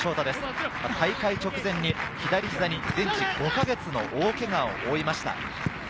大会直前に左膝に全治５か月の大けがを負いました。